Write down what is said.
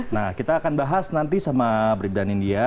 nah kita akan bahas nanti sama brindan india